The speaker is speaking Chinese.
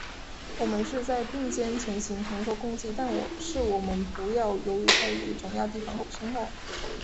我们是在并肩前行，同舟共济，但是我们不要由于猜疑，总要提防身后。